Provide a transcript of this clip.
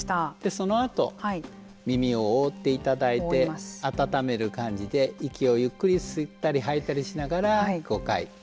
そのあと、耳を覆っていただいて温める感じで息をゆっくり吸ったり吐いたりしながら５回。